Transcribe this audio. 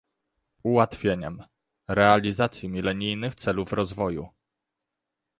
ułatwieniem - realizacji milenijnych celów rozwoju